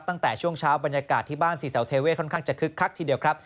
ตั้งแต่ช่วงเช้าบรรยากาศที่บ้านศรีเสาเทเว่ค่อนข้างจะคึกคักทีเดียวครับ